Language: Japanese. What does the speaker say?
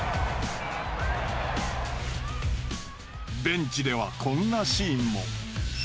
ベンチではこんなシーンも。